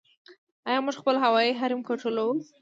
آیا موږ خپل هوایي حریم کنټرولوو؟